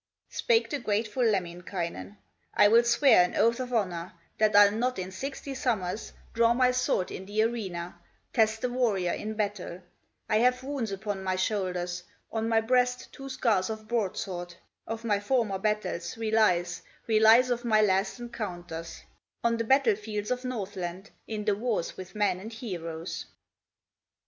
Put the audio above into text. Spake the grateful Lemminkainen: "I will swear an oath of honor, That I'll not in sixty summers Draw my sword in the arena, Test the warrior in battle; I have wounds upon my shoulders, On my breast two scars of broadsword, Of my former battles, relics, Relics of my last encounters, On the battle fields of Northland, In the wars with men and heroes."